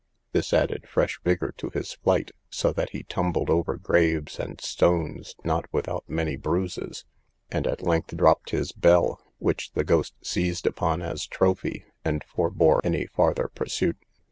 This added fresh vigour to his flight, so that he tumbled over graves and stones, not without many bruises, and at length dropped his bell, which the ghost seized upon as trophy, and forbore any farther pursuit.